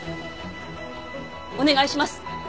お願いします